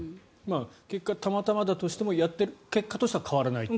結果、たまたまだとしても結果としては変わらないと。